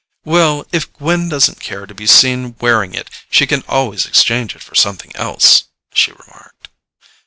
"Well, if Gwen doesn't care to be seen wearing it she can always exchange it for something else," she remarked.